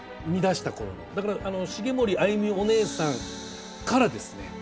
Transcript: だから茂森あゆみお姉さんからですね。